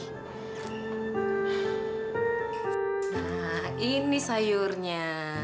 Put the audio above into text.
nah ini sayurnya